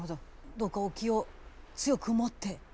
どうかお気を強く持って！